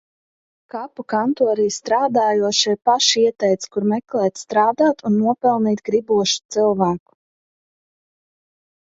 Kapu kantorī strādājošie paši ieteica, kur meklēt strādāt un nopelnīt gribošu cilvēku.